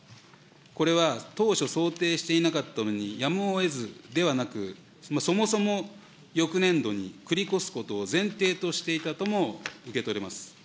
これは当初想定していなかったのにやむをえずではなく、そもそも翌年度に繰り越すことを前提としていたとも受け取れます。